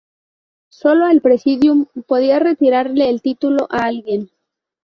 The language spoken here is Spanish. Sólo el Presidium podía retirarle el título a alguien.